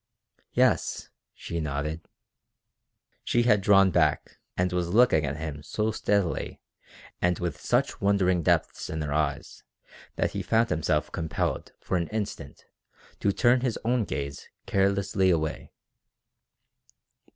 "Yes," she nodded. She had drawn back, and was looking at him so steadily and with such wondering depths in her eyes that he found himself compelled for an instant to turn his own gaze carelessly away.